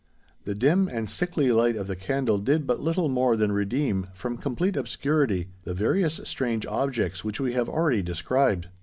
The dim and sickly light of the candle did but little more than redeem from complete obscurity the various strange objects which we have already described.